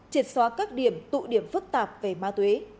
triệt xóa các điểm tụ điểm phức tạp về ma túy